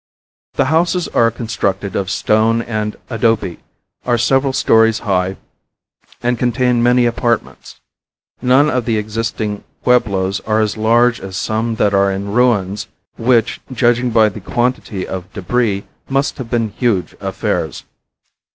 The houses are constructed of stone and adobe, are several stories high and contain many apartments. None of the existing pueblos are as large as some that are in ruins which, judging by the quantity of debris, must have been huge affairs.